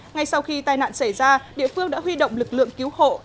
ngay sau khi tai nạn xảy ra địa phương đã huy động lực lượng cứu hộ